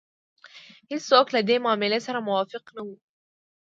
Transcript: هېڅوک له دې معاملې سره موافق نه وو.